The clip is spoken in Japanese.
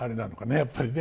やっぱりね。